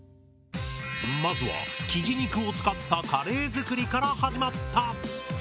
まずはきじ肉を使ったカレー作りから始まった！